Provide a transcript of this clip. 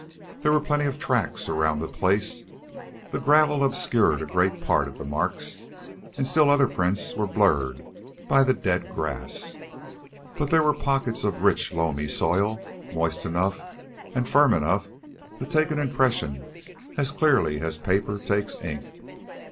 There were plenty of tracks around the place. The gravel obscured a great part of the marks, and still other prints were blurred by the dead grass. But there were pockets of rich, loamy soil, moist enough and firm enough to take an impression as clearly as paper takes ink.